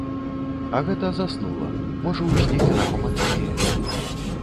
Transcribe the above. А гэта заснула, можа ў сне яна памацнее.